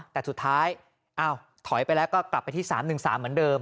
แต่สุดท้ายถอยไปแล้วก็กลับไปที่๓๑๓เหมือนเดิม